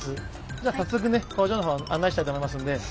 じゃあさっそく工場のほうあん内したいと思いますんで。